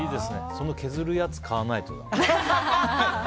その削るやつ買わないとだな。